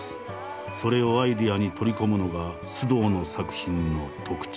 それをアイデアに取り込むのが須藤の作品の特徴。